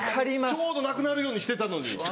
ちょうどなくなるようにしてたのに。